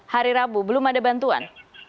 hari rabu belum ada bantuan